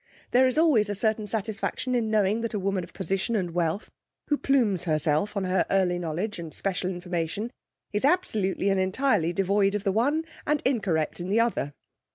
There is always a certain satisfaction in knowing that a woman of position and wealth, who plumes herself on her early knowledge and special information, is absolutely and entirely devoid of the one and incorrect in the other.